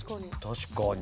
確かに。